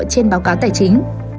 trên báo cáo tài chính